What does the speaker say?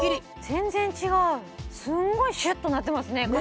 全然違うすんごいシュッとなってますね片